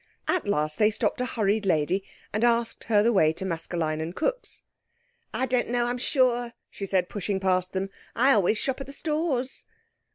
At last they stopped a hurried lady, and asked her the way to Maskelyne and Cooke's. "I don't know, I'm sure," she said, pushing past them. "I always shop at the Stores."